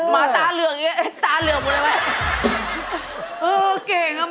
หมาตาเหลือกตาเหลือกเลยไหม